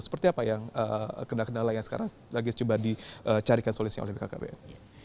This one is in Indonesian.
seperti apa yang kendala kendala yang sekarang sedang dicari solusinya oleh bkkbn